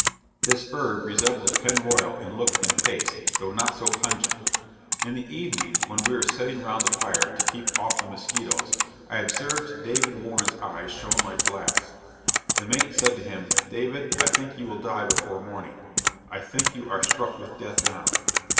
This herb resembles pennyroyal in look and taste, though not so pungent. In the evening when we were setting round the fire to keep of the moschetoes, I observed David Warren's eyes shone like glass. The mate said to him "David I think you will die before morning I think you are struck with death now."